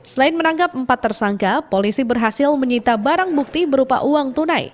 selain menangkap empat tersangka polisi berhasil menyita barang bukti berupa uang tunai